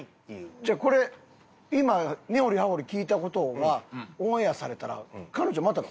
じゃあこれ今根掘り葉掘り聞いた事はオンエアされたら彼女また怖がりますね。